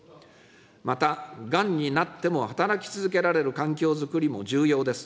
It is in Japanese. また、がんになっても働き続けられる環境づくりも重要です。